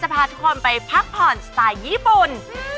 พาทุกคนไปพักผ่อนสไตล์ญี่ปุ่น